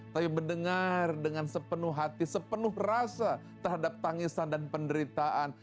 tapi mendengar dengan sepenuh hati sepenuh rasa terhadap tangisan dan penderitaan